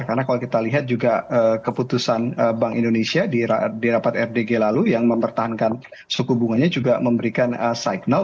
karena kalau kita lihat juga keputusan bank indonesia di rapat fdg lalu yang mempertahankan suku bunganya juga memberikan signal